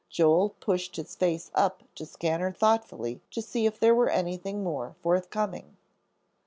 Joel pushed his face up to scan her thoughtfully to see if there were anything more forthcoming.